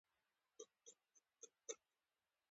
تر منګول یې څاڅکی څاڅکی تویېدلې